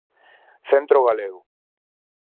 Centro Galego.